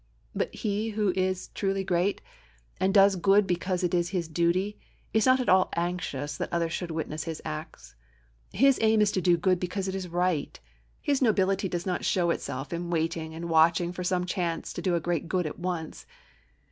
But he who is truly great, and does good because it is his duty, is not at all anxious that others should witness his acts. His aim is to do good because it is right. His nobility does not show itself in waiting and watching for some chance to do a great good at once.